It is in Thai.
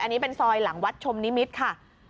อันนี้เป็นซอยหลังวัดชมนิมิตรค่ะ